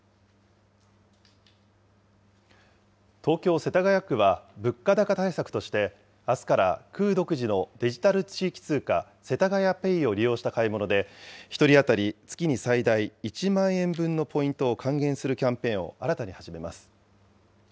東京・世田谷区は物価高対策として、あすから区独自のデジタル地域通貨、せたがやＰａｙを利用した買い物で、１人当たり月に最大１万円分のポイントを還元するキャンペーンを新たに始めます。